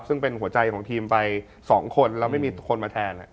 ซึ่งเป็นหัวใจของทีมไป๒คนแล้วไม่มีคนมาแทน